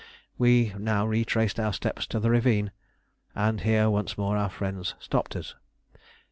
We now retraced our steps up the ravine, and here once more our friends stopped us.